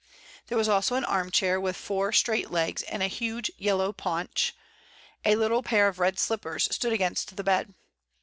There was also an arm chair with four straight legs and a huge yellow paunch; a little pair of red slippers stood against the bed.